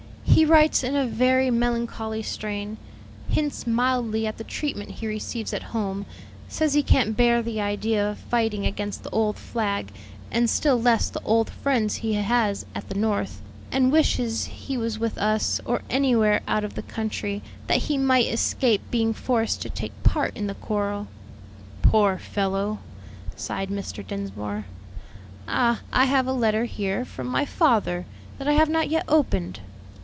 He writes in a very melancholy strain; hints mildly at the treatment he receives at home; says he can't bear the idea of fighting against the old flag, and still less the old friends he has at the North, and wishes he was with us or anywhere out of the country, that he might escape being forced to take part in the quarrel." "Poor fellow!" sighed Mr. Dinsmore. "Ah, I have a letter here from my father that I have not yet opened."